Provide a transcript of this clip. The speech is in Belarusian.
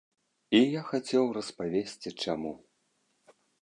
І я хацеў распавесці, чаму.